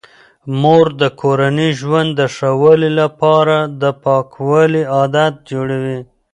مور د کورني ژوند د ښه والي لپاره د پاکوالي عادات جوړوي.